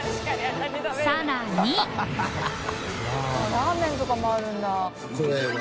ラーメンとかもあるんだ。